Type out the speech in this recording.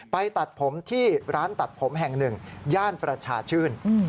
ตัดผมที่ร้านตัดผมแห่งหนึ่งย่านประชาชื่น